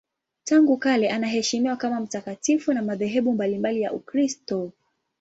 Tangu kale anaheshimiwa kama mtakatifu na madhehebu mbalimbali ya Ukristo.